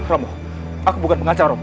ramu aku bukan pengacau ramu